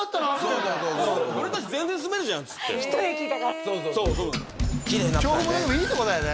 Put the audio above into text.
そうそう「俺達全然住めるじゃん」っつって１駅だからそうそう調布もでもいいとこだよね